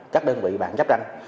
các đơn vị địa bàn chấp tranh